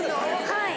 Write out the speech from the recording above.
はい。